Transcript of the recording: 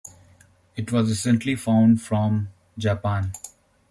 It was recently found from Japan.